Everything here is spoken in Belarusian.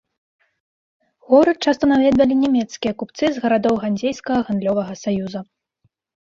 Горад часта наведвалі нямецкія купцы з гарадоў ганзейскага гандлёвага саюза.